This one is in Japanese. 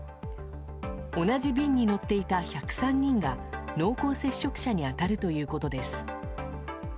同じ便に乗っていた１０３人が濃厚接触者に当たるということです。